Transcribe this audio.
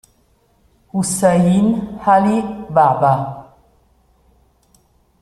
Hussain Ali Baba